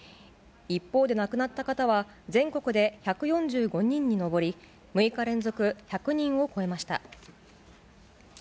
一方で、亡くなった方は全国で１４５人に上り、６日連続、１００人を超えました。